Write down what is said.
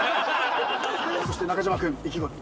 そして中島君意気込み。